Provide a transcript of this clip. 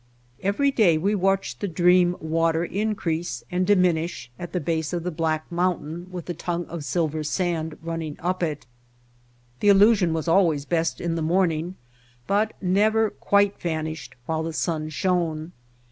Every day we watched the dream water in crease and diminish at the base of the black mountain with the tongue of silver sand running up it. The illusion was always best in the morn ing, but never quite vanished while the sun shone.